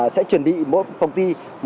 sẽ chuẩn bị một phòng thi